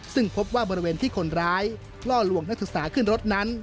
ซึ่งพบว่าบริเวณที่คนร้ายล่อลวงนักศึกษาขึ้นรถนั้น